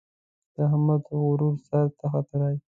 د احمد غرور سر ته ختلی.